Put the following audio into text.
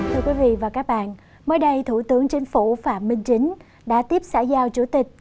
thưa quý vị và các bạn mới đây thủ tướng chính phủ phạm minh chính đã tiếp xã giao chủ tịch